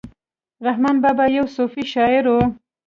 رحمان بابا يو صوفي شاعر وو.